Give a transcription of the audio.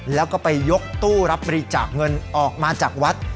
แล้วก็ไปยกตู้รับบริจาคเงินออกมาจากวัด